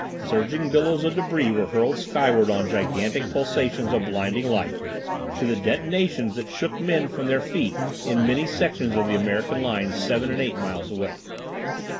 Surging billows of debris were hurled skyward on gigantic pulsations of blinding light, to the detonations that shook men from their feet in many sections of the American line seven and eight miles away.